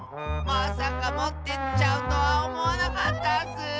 まさかもってっちゃうとはおもわなかったッス！